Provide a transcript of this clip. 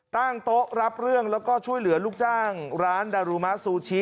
ตั้งโต๊ะรับเรื่องแล้วก็ช่วยเหลือลูกจ้างร้านดารุมะซูชิ